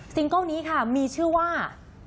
เกิ้ลนี้ค่ะมีชื่อว่า